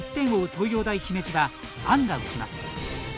東洋大姫路はアンが打ちます。